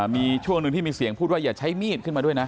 มีช่วงหนึ่งที่มีเสียงพูดว่าอย่าใช้มีดขึ้นมาด้วยนะ